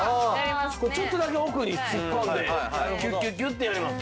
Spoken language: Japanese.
ちょっとだけ奥に突っ込んでキュッキュッキュッてやります。